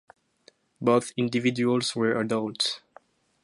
Both individuals were adult.